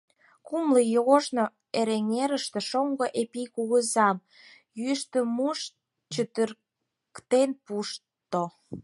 Кумло ий ожно Эреҥерыште шоҥго Ипи кугызам йӱштымуж чытырыктен пушто.